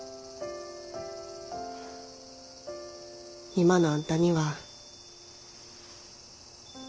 今のあんたには無理や。